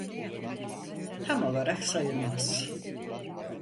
Tam olarak sayılmaz.